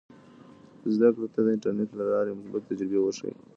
زده کړې ته د انټرنیټ له لارې مثبتې تجربې ورښیي.